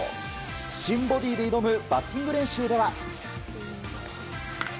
新ボディーで挑むバッティング練習では。